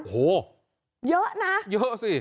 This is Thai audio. โอ้โหเยอะนะเยอะสิ